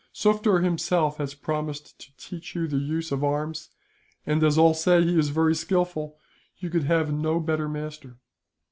Sufder himself has promised to teach you the use of arms and, as all say he is very skilful, you could have no better master.